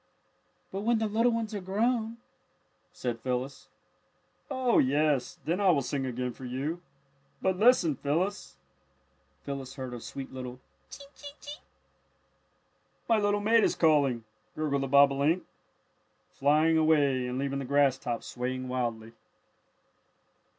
"But when the little ones are grown " said Phyllis. "Oh, yes, then I will sing again for you. But listen, Phyllis!" Phyllis heard a sweet little "Chink! Chink! Chink!" "My little mate is calling," gurgled the bobolink, flying away and leaving the grass top swaying wildly.